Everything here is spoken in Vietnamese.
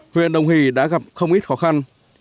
huyện đồng hì đã gặp không ít khó khăn